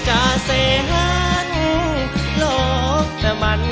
ขอบคุณครับ